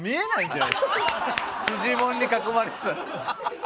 フィジモンに囲まれてたら。